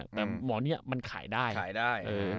เหมาะเนี่ยมันขายได้